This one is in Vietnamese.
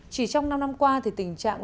chỉ trong năm năm qua thì tình trạng